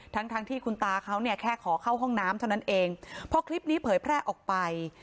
ทั้งทั้งที่คุณตาเขาเนี่ยแค่ขอเข้าห้องน้ำเท่านั้นเองพอคลิปนี้เผยแพร่ออกไป